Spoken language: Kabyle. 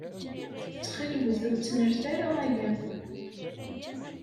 Ttxil-wet ur ttnalet ara aya.